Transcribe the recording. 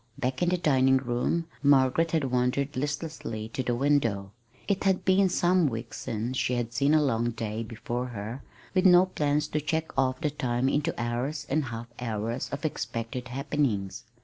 Back in the dining room Margaret had wandered listlessly to the window. It had been some weeks since she had seen a long day before her with no plans to check off the time into hours and half hours of expected happenings.